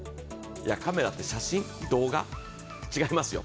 カメラって写真、動画、違いますよ。